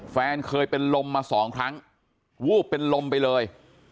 แฟนเคยเป็นลมมาสองครั้งวูบเป็นลมไปเลย